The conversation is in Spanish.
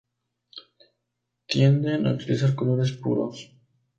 Tienden a utilizar colores puros.